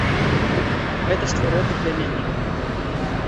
Гэта ж твой родны пляменнік!